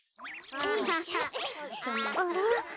あら？